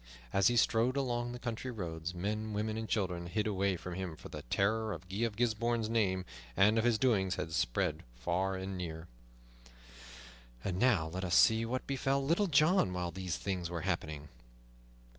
As he strode along the country roads, men, women, and children hid away from him, for the terror of Guy of Gisbourne's name and of his doings had spread far and near. And now let us see what befell Little John while these things were happening.